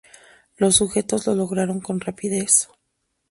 Los sujetos lo lograron con rapidez.